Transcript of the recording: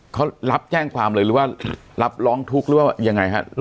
เขารับแจ้งความเลยหรือว่ารับร้องทุกข์หรือว่ายังไงฮะ